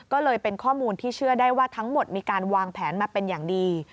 ก็เลยเป็นข้อมูลที่เชื่อได้ว่าทั้งหมดมีการวางแผนมาเป็นอย่างดี